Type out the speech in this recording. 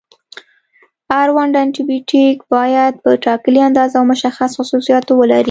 اړونده انټي بیوټیک باید په ټاکلې اندازه او مشخص خصوصیاتو ولري.